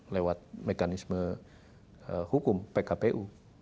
lewat mekanisme hukum pkpu